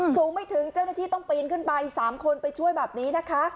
สูงไม่ถึงเจ้าหน้าที่ต้องปีนขึ้นไป๓คนไปช่วยแบบนี้นะคะ